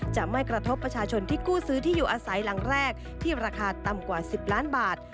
จะไม่กระทบประชาชนที่กู้ซื้อที่อยู่อาศัยหลังแรกที่ราคาต่ำกว่า๑๐ล้านบาท